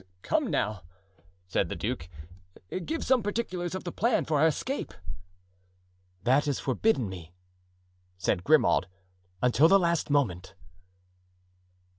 "Come, now," said the duke, "give some particulars of the plan for our escape." "That is forbidden me," said Grimaud, "until the last moment."